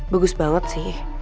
bagus banget sih